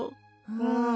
うん。